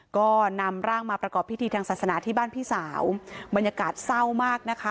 ก็นำร่างมาประกอบพิธีทางศาสนาที่บ้านพี่สาวบรรยากาศเศร้ามากนะคะ